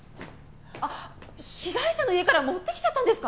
被害者の家から持ってきちゃったんですか？